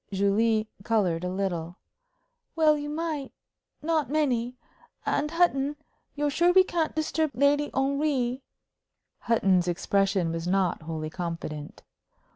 Julie colored a little. "Well, you might not many. And, Hutton, you're sure we can't disturb Lady Henry?" Hutton's expression was not wholly confident.